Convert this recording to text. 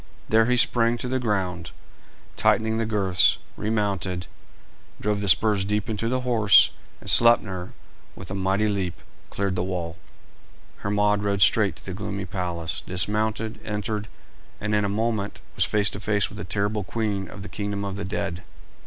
There he sprang to the ground, tightened the girths, remounted, drove the spurs deep into the horse, and Sleipner, with a mighty leap, cleared the wall. Hermod rode straight to the gloomy palace, dismounted, entered, and in a moment was face to face with the terrible queen of the kingdom of the dead.